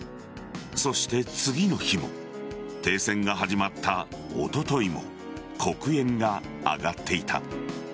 そして次の日も停戦が始まったおとといも黒煙が上がっていた。